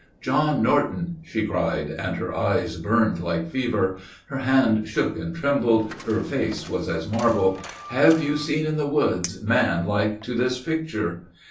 "John Norton," she cried, and her eyes burned like fever. Her hand shook and trembled, her face was as marble, "Have you seen in the woods man like to this picture?